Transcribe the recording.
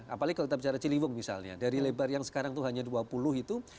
apalagi kalau kita bicara ciliwung misalnya dari lebar yang sekarang itu hanya dua puluh itu